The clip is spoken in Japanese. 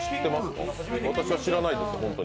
私は知らないです、本当に。